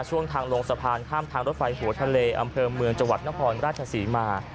ช่วงทางลงสะพานข้ามทางรถไฟหัวทะเลอำเภอเมืองจังหวัดนครราชศรีมา